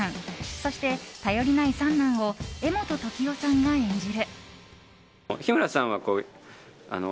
そして、頼りない三男を柄本時生さんが演じる。